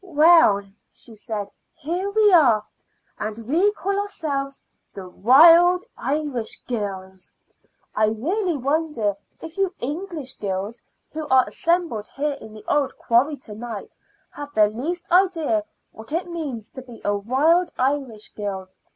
"Well," she said, "here we are, and we call ourselves the Wild Irish Girls. I really wonder if you English girls who are assembled here in the old quarry to night have the least idea what it means to be a wild Irish girl.